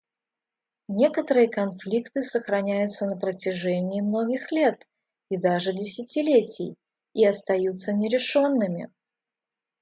Некоторые конфликты сохраняются на протяжении многих лет и даже десятилетий и остаются нерешенными.